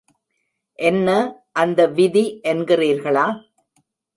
என்ன அந்த விதி என்கிறீர்களா?